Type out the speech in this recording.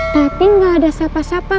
tapi gak ada siapa siapa